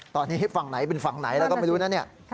ตอนนี้ฝั่งไหนเป็นฝั่งไหนแล้วก็ไม่รู้นะเนี่ย